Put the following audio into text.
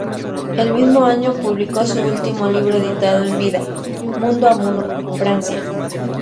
El mismo año, publicó su último libro editado en vida: "Mundo a mundo: Francia".